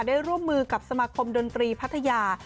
ร่วมมือกับสมาคมดนตรีพัทยา